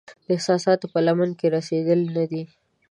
د احساساتو په لمن کې رسیدلې نه دی